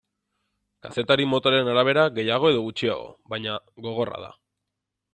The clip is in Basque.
Kazetari motaren arabera gehiago edo gutxiago, baina, gogorra da.